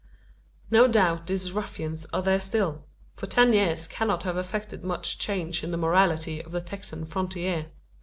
No doubt these ruffians are there still: for ten years cannot have effected much change in the morality of the Texan frontier.